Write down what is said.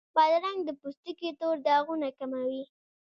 بادرنګ د پوستکي تور داغونه کموي.